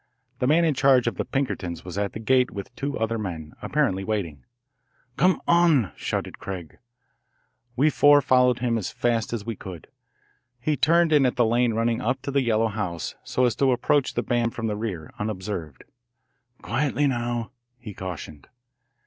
The man in charge of the Pinkertons was at the gate with two other men, apparently waiting. "Come on!" shouted Craig. We four followed him as fast as we could. He turned in at the lane running up to the yellow house, so as to approach the barn from the rear, unobserved. "Quietly, now," he cautioned.